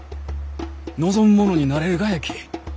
望む者になれるがやき。